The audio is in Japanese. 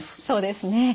そうですね。